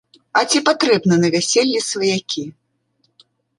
А ці патрэбны на вяселлі сваякі?